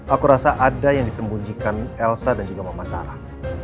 aku rasa ada yang disembunyikan elsa dan juga mama sarah